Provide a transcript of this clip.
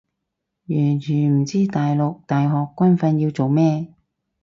完全唔知大陸大學軍訓要做咩